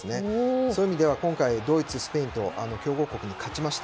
そういう意味では今回ドイツ、スペインと強豪国に勝ちました。